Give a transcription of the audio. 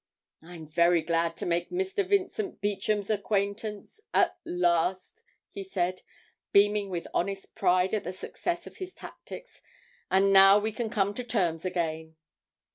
'I'm very glad to make Mr. Vincent Beauchamp's acquaintance at last,' he said, beaming with honest pride at the success of his tactics, 'and now we can come to terms again.'